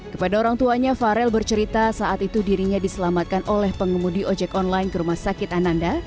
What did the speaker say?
kepada orang tuanya farel bercerita saat itu dirinya diselamatkan oleh pengemudi ojek online ke rumah sakit ananda